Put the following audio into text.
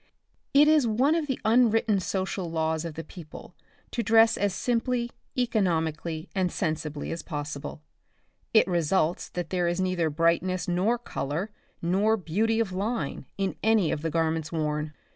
As it is one of the unwritten social laws of the people to dress as simply, economically and sensibly as possible, it results that there is neither brightness nor color nor beauty of line in any of the garments worn.